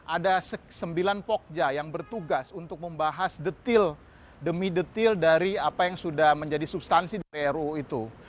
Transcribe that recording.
ada sembilan pokja yang bertugas untuk membahas detail demi detil dari apa yang sudah menjadi substansi dari ruu itu